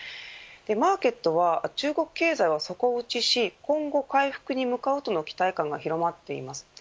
マーケットは中国経済は底打ちし今後回復に向かうとの期待感が広まっています。